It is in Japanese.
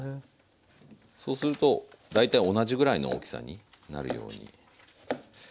そうすると大体同じぐらいの大きさになるように切れますね。